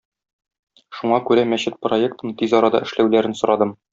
Шуңа күрә мәчет проектын тиз арада эшләүләрен сорадым.